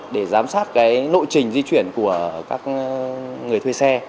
để giám sát cái nội trình di chuyển của các người thuê xe